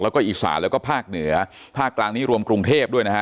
แล้วก็อีสานแล้วก็ภาคเหนือภาคกลางนี้รวมกรุงเทพด้วยนะฮะ